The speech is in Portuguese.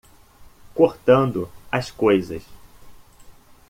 Cortando as coisas